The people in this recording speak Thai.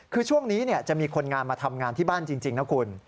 คือช่วงนี้จะมีคนงานมาทำงานที่บ้านจริงนะคุณ